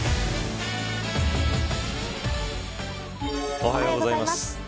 おはようございます。